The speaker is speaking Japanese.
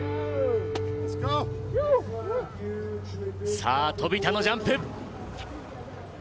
・さぁ飛田のジャンプ！